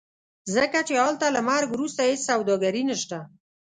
ځکه چې هلته له مرګ وروسته هېڅ سوداګري نشته.